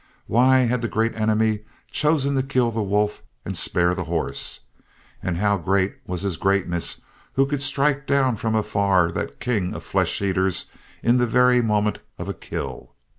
Why had the Great Enemy chosen to kill the wolf and spare the horse? And how great was his greatness who could strike down from afar that king of flesh eaters in the very moment of a kill!